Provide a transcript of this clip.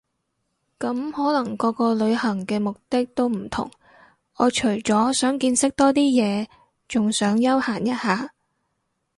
咁可能個個旅行嘅目的都唔同我除咗想見識多啲嘢，仲想休閒一下